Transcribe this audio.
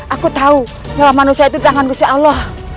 aku tahu bahwa manusia itu jangan berusaha allah